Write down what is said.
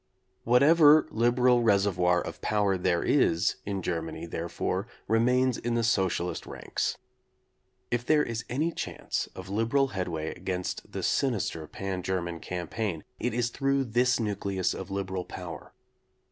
Whatever liberal reservoir of power there is in Germany, therefore, remains in the socialist ranks. If there is any chance of liberal headway against the sinister Pan German campaign it is through this nucleus of liberal power.